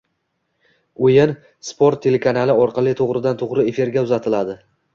Oʻyin “Sport” telekanali orqali toʻgʻridan-toʻgʻri efirga uzatiladi.